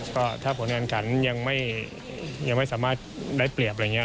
ก็ถ้าผลแห่งคันยังไม่หยังไม่สามารถได้เปรียบอะไรอย่างเงี้ย